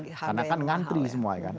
karena kan ngantri semua ya